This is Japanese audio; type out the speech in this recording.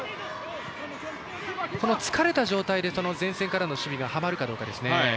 疲れた状態で前線からの守備が、はまるかどうかですね。